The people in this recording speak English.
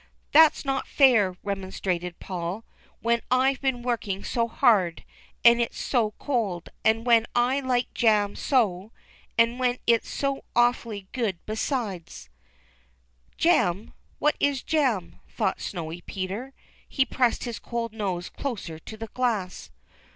" That's not fair," remonstrated Paul, " when I've been working so hard, and it's so cold, and Avhen I like jam so, and when it's so awfully good beside." "Jam! what is jam?" thought Snowy Peter. He pressed his cold nose closer to the glass.